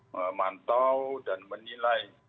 memantau dan menilai